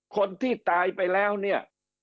คนที่ตายไปแล้วเนี่ย